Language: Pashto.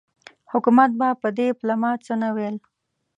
حکومت به په دې پلمه څه نه ویل.